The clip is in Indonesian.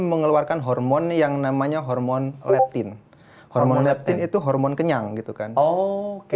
mengeluarkan hormon yang namanya hormon letin hormon lettin itu hormon kenyang gitu kan oke